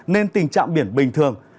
nên tình trạng biển bình thường